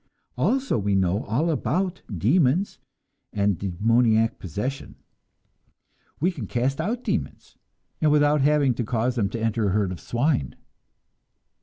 Also we know all about demons and "demoniac possession." We can cast out demons and without having to cause them to enter a herd of swine!